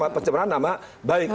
pencerahan nama baik